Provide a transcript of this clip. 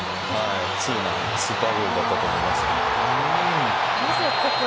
通なスーパーゴールだったと思います。